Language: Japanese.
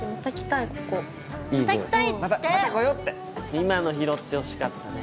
今の拾ってほしかったね。